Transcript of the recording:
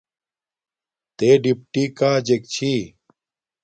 تݺ ڈِپٹݵ کݳجݵک چھݵ؟